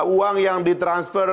uang yang di transfer